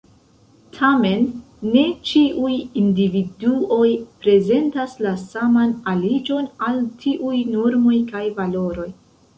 Tamen, ne ĉiuj individuoj prezentas la saman aliĝon al tiuj normoj kaj valoroj.